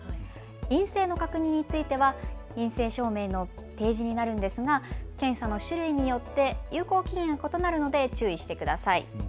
陰性の確認については陰性証明の提示になるんですが検査の種類によって有効期限が異なるので注意してください。